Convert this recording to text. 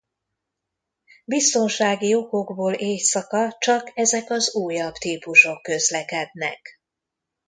Biztonsági okokból éjszaka csak ezek az újabb típusok közlekednek.